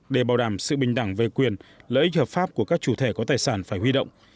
để bảo đảm sự bình đẳng về quyền lợi ích hợp pháp của các chủ thể có tài sản phải huy động